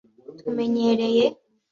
tumenyereye